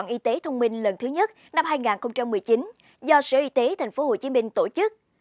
y tế thông minh lần thứ nhất năm hai nghìn một mươi chín do sở y tế tp hcm tổ chức